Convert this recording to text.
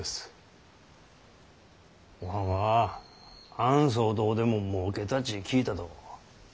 おはんはあん騒動でももうけたち聞いたど。